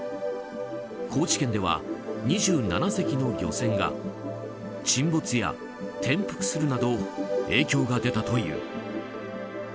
高知県では２７隻の漁船が沈没や転覆するなど影響が出たという。